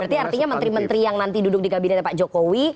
berarti artinya menteri menteri yang nanti duduk di kabinet pak jokowi